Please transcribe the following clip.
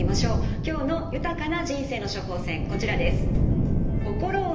今日の豊かな人生の処方せんこちらです。